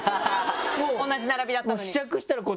同じ並びだったのに。